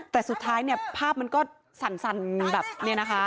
แต่สุดท้ายเนี่ยภาพมันก็สั่นแบบนี้นะคะ